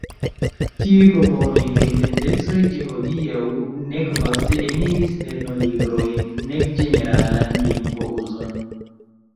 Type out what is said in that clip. Tiuj proponoj kaj tendencoj ĝis hodiaŭ nek vaste eniris lernolibrojn, nek ĝeneralan lingvo-uzon.